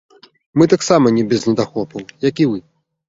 Мы таксама не без недахопаў, як і вы.